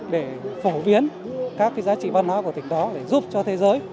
để phổ biến các giá trị văn hóa của tỉnh đó để giúp cho thế giới